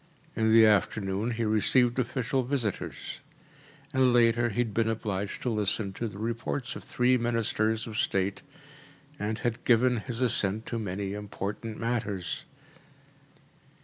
In the afternoon he received official visitors; and later he had been obliged to listen to the reports of three ministers of state, and had given his assent to many important matters.